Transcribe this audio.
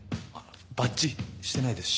バッジしてないですし。